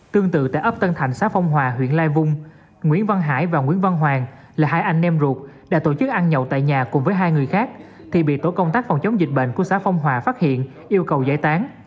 tương tự tại ấp tân thành xã phong hòa huyện lai vung nguyễn văn hải và nguyễn văn hoàng là hai anh em ruột đã tổ chức ăn nhậu tại nhà cùng với hai người khác thì bị tổ công tác phòng chống dịch bệnh của xã phong hòa phát hiện yêu cầu giải tán